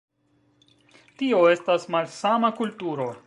Tio estas malsama kulturo.